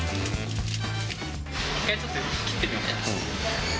一回ちょっと、切ってみようか。